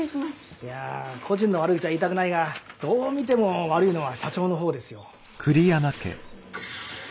いや故人の悪口は言いたくないがどう見ても悪いのは社長の方ですよ。